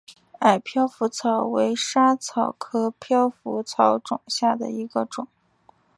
矮飘拂草为莎草科飘拂草属下的一个种。